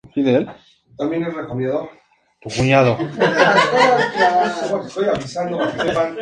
Principalmente, existe un enfoque de estudiar los conflictos ecológico-distributivos.